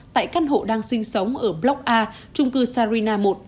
tại căn hộ đang sinh sống ở block a trung cư sarina một